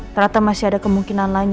ternyata masih ada kemungkinan lagi